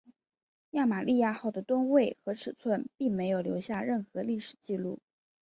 圣玛利亚号的吨位和尺寸并没有留下任何历史记录。